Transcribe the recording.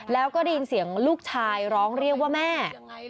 แล้วก็ได้ยินเสียงลูกชายร้องเรียกว่าแม่